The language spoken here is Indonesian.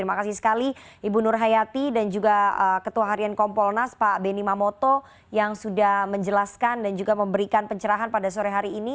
terima kasih sekali ibu nur hayati dan juga ketua harian kompolnas pak benny mamoto yang sudah menjelaskan dan juga memberikan pencerahan pada sore hari ini